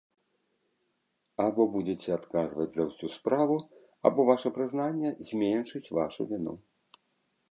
Або будзеце адказваць за ўсю справу, або ваша прызнанне зменшыць вашу віну.